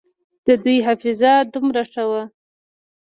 د دوى حافظه دومره ښه وه.